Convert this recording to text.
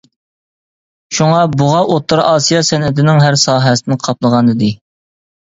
شۇڭا، بۇغا ئوتتۇرا ئاسىيا سەنئىتىنىڭ ھەر ساھەسىنى قاپلىغانىدى.